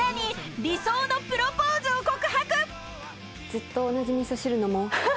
ずっと同じ味噌汁飲もう。